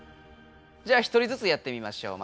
じゃあ１人ずつやってみましょう。